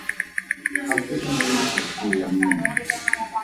Gape di dirisa puo ya mmele.